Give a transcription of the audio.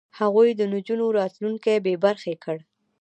هغوی د نجونو راتلونکی بې برخې کړ.